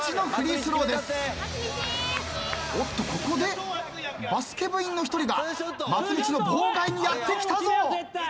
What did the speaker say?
おっとここでバスケ部員の一人が松道の妨害にやって来たぞ。